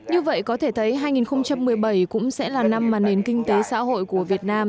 như vậy có thể thấy hai nghìn một mươi bảy cũng sẽ là năm mà nền kinh tế xã hội của việt nam